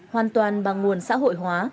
hoàn toàn bằng nguồn xã hội hóa